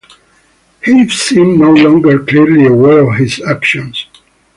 He seemed no longer clearly aware of his actions.